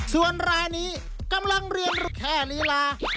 ส่วนรายนี้กำลังเรียนแค่ลีลา